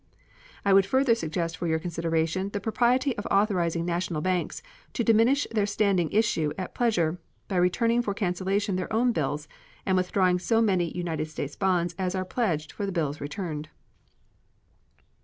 I would further suggest for your consideration the propriety of authorizing national banks to diminish their standing issue at pleasure, by returning for cancellation their own bills and withdrawing so many United States bonds as are pledged for the bills returned.